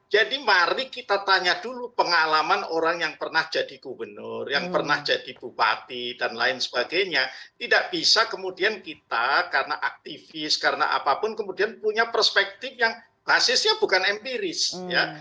jadi hari kita tanya dulu pengalaman orang yang pernah jadi gubernur yang pernah jadi bupati dan lain sebagainya tidak bisa kemudian kita karena aktivis karena apapun kemudian punya perspektif yang basisnya bukan empiris ya